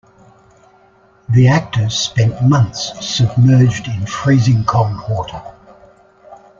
The actors spent months submerged in freezing cold water.